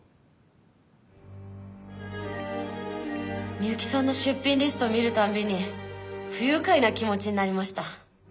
美由紀さんの出品リストを見るたびに不愉快な気持ちになりました。